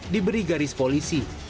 diberi garis polisi